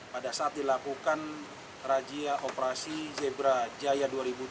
pada saat dilakukan rajia operasi zebra jaya dua ribu dua puluh